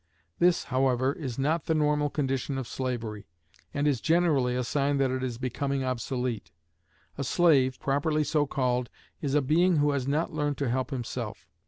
This, however, is not the normal condition of slavery, and is generally a sign that it is becoming obsolete. A slave, properly so called, is a being who has not learned to help himself.